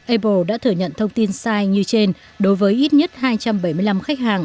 apple đã thừa nhận thông tin sai như trên đối với ít nhất hai trăm bảy mươi năm khách hàng